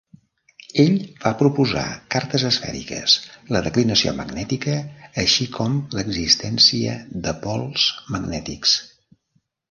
Ell va proposar cartes esfèriques, la declinació magnètica, així com l'existència de pols magnètics.